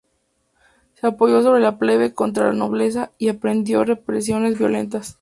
Se apoyó sobre la plebe contra la nobleza y emprendió represiones violentas.